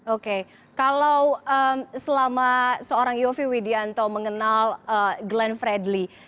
oke kalau selama seorang yofi widianto mengenal glenn fredly